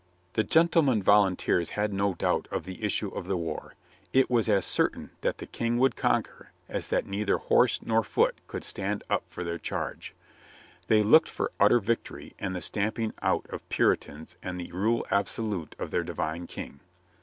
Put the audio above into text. The gentlemen volunteers had no doubt of the issue of the war. It was as certain that the King would conquer as that neither horse nor foot could stand up for their charge. They looked for utter victory and the stamping out of Puritans and the rule absolute of their divine King.